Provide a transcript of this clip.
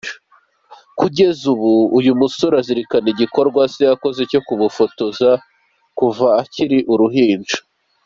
Kugeza nubu uyu musore azirikana igikorwa se yakoze gikomeye cyo kumufotoza kuva akiri uruhinja .